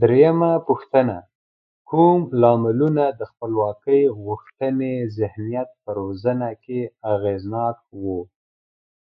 درېمه پوښتنه: کوم لاملونه د خپلواکۍ غوښتنې ذهنیت په روزنه کې اغېزناک و؟